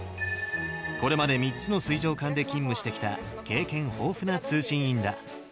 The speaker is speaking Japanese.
これまで３つの水上艦で勤務してきた、経験豊富な通信員だ。